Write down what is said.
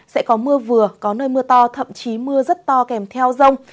sẽ có mưa vừa có nơi mưa to thậm chí mưa rất to kèm theo rông